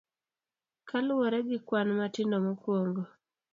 Kaluwore gi kwan matindo mokwongo.